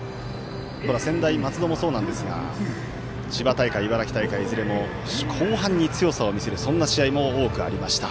これは専大松戸もそうなんですが千葉大会、茨城大会いずれも後半に強さを見せるそんな試合も多くありました。